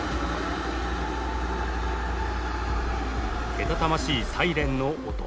けたたましいサイレンの音。